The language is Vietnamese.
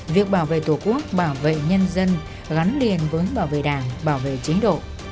việc bảo vệ tổ quốc bảo vệ nhân dân gắn liền với bảo vệ đảng bảo vệ chế độ